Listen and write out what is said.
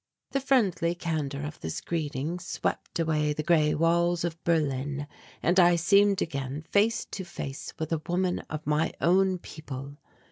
The friendly candour of this greeting swept away the grey walls of Berlin, and I seemed again face to face with a woman of my own people.